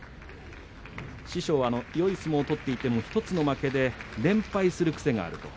師匠は、よい相撲を取っていても１つの負けで連敗する癖がある。